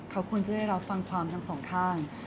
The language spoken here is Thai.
เขาควรจะได้รับฟังความทั้งสองข้าง